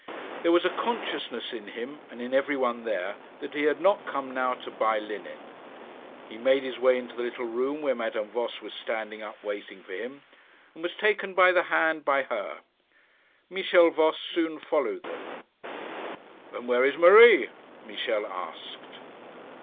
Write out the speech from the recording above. There was a consciousness in him and in every one there that he had not come now to buy linen. He made his way into the little room where Madame Voss was standing up, waiting for him, and was taken by the hand by her. Michel Voss soon followed them. 'And where is Marie?' Michel asked.